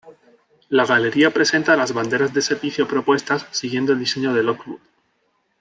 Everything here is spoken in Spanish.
La galería presenta las banderas de servicio propuestas siguiendo el diseño de Lockwood.